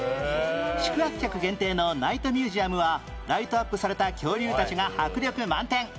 宿泊客限定のナイトミュージアムはライトアップされた恐竜たちが迫力満点